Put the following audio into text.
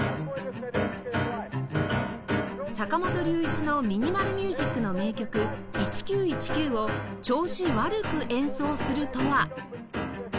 坂本龍一のミニマル・ミュージックの名曲『１９１９』を調子悪く演奏するとは？